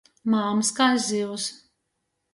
Māms kai zivs.